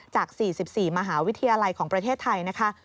จาก๔๔มหาวิทยาลัยของประเทศไทยนะคะ